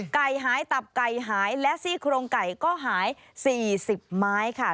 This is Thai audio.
ไก่หายตับไก่หายและซี่โครงไก่ก็หาย๔๐ไม้ค่ะ